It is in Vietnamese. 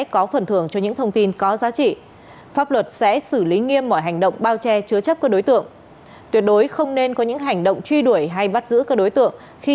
cảm ơn các bạn đã theo dõi và hẹn gặp lại